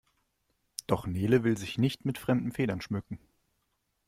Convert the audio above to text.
Doch Nele will sich nicht mit fremden Federn schmücken.